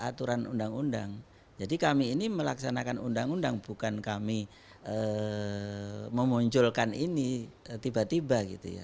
aturan undang undang jadi kami ini melaksanakan undang undang bukan kami memunculkan ini tiba tiba gitu ya